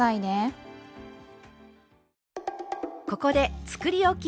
ここでつくりおき